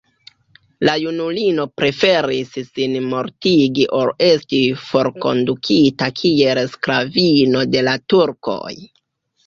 La junulino preferis sin mortigi ol esti forkondukita kiel sklavino de la turkoj.